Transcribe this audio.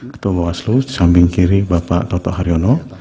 ketua bawaslu samping kiri bapak toto haryono